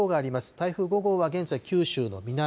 台風５号は現在、九州の南。